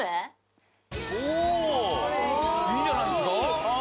いいんじゃないですか？